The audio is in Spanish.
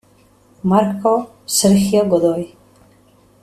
Marcos Sergio Godoy.